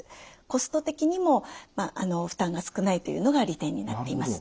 コスト的にも負担が少ないというのが利点になっています。